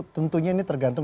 tentunya ini tergantung